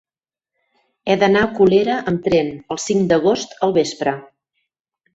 He d'anar a Colera amb tren el cinc d'agost al vespre.